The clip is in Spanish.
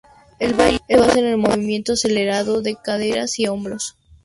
El baile se basa en el movimiento acelerado de caderas y hombros.